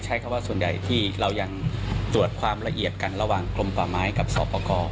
จวดความละเอียดกันระหว่างกลมป่าไม้กับสอปกร